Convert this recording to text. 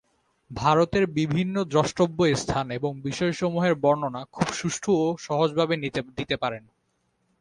ভারতের বিভিন্ন দ্রষ্টব্য স্থান এবং বিষয়সমূহের বর্ণনা খুব সুষ্ঠু ও সহজভাবে দিতে পারেন।